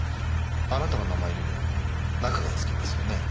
あなたの名前にも「中」がつきますよね。